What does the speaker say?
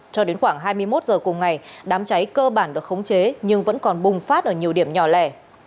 cho đến khoảng hai mươi một h cùng ngày đám cháy cơ bản được khống chế nhưng vẫn còn bùng phát ở nhiều điểm nhỏ lẻ